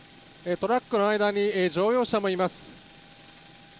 トラックの間に乗用車もいます。